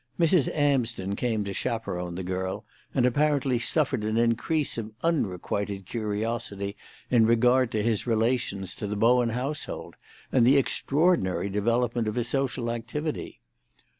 Mrs. Amsden came to chaperon the girl, and apparently suffered an increase of unrequited curiosity in regard to his relations to the Bowen household, and the extraordinary development of his social activity.